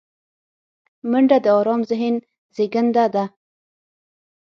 منډه د آرام ذهن زیږنده ده